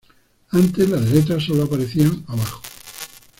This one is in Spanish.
Antes las letras solo aparecían abajo.